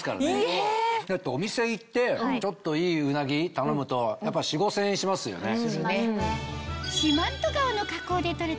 だってお店行ってちょっといいうなぎ頼むとやっぱ４０００５０００円しますよね。